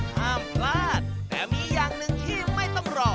ห้ามพลาดแต่มีอย่างหนึ่งที่ไม่ต้องรอ